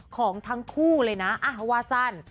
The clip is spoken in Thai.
ของทั้งคู่เลยนะว่าสั้น